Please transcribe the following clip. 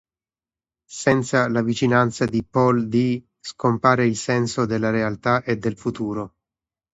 Senza la vicinanza di Paul D, scompare il senso della realtà e del futuro.